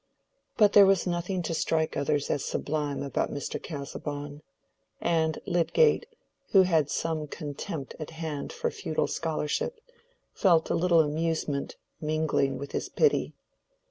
But there was nothing to strike others as sublime about Mr. Casaubon, and Lydgate, who had some contempt at hand for futile scholarship, felt a little amusement mingling with his pity.